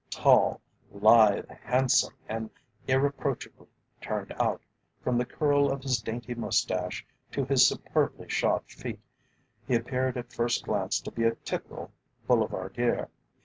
Tall, lithe, handsome, and irreproachably turned out, from the curl of his dainty moustache to his superbly shod feet, he appeared at first glance to be a typical boulevardier.